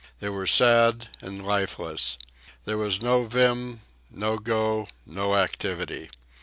They were sad and lifeless. There was no vim, no go, no activity.